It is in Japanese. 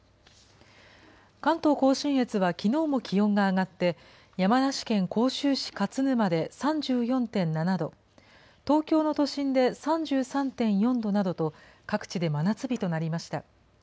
関東甲信越はきのうも気温が上がって、山梨県甲州市勝沼で３４．７度、東京の都心で３３．４度などと、各地で真夏日となりました。